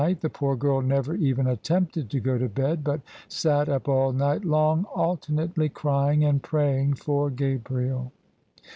The poor girl never even attempted to go to bed ; but sat up all night long alternately crying and praying for Gabriel.